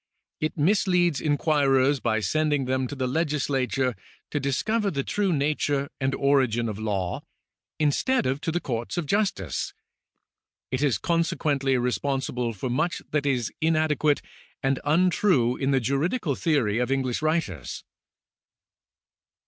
It misleads inquirers by sending them to the legislature to discover the true nature and origin of law, instead of to the courts of justice. It is consequently re sponsible for much that is inadequate and untrue in the juridical theory of English writers.